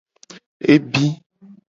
Ebi.